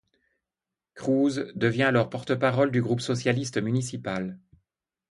Cruz devient alors porte-parole du groupe socialiste municipal.